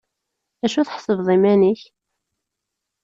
D acu tḥesbeḍ iman-ik?